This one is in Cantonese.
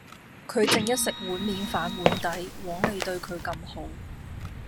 佢正一食碗面反碗底！枉你對佢咁好